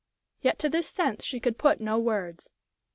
Yet to this sense she could put no words.